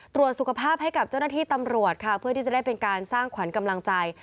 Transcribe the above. ตรวจสุขภาพให้กับเจ้าหน้าที่ตำรวจค่ะเพื่อที่จะได้เป็นการสร้างขวัญกำลังใจ